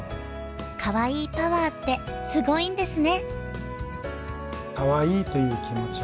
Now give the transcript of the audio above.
かわいいパワーってすごいんですね！